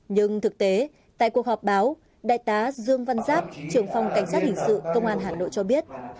nhưng thực tế tại cuộc họp báo đại tá dương văn giáp trưởng phòng cảnh sát hình sự công an hà nội cho biết